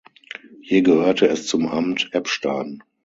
Hier gehörte es zum Amt Eppstein.